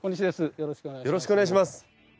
よろしくお願いします。